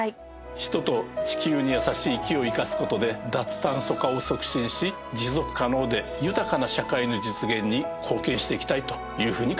人と地球にやさしい「木」を活かす事で脱炭素化を促進し持続可能で豊かな社会の実現に貢献していきたいというふうに考えております。